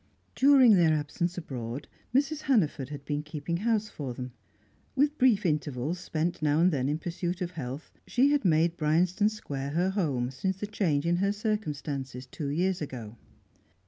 During their absence abroad, Mrs. Hannaford had been keeping house for them. With brief intervals spent now and then in pursuit of health, she had made Bryanston Square her home since the change in her circumstances two years ago.